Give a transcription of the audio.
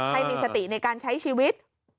ให้มีสติในการใช้ชีวิต